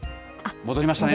戻りましたね。